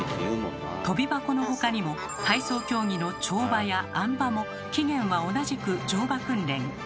とび箱の他にも体操競技の跳馬やあん馬も起源は同じく乗馬訓練。